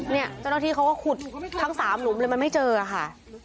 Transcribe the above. เนี่ยเจ้าหน้าที่เขาก็ขุดทั้ง๓หลุมเลยมันไม่เจอค่ะ